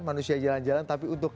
manusia jalan jalan tapi untuk